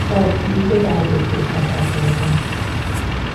با بلیط درجه سه سفر کردن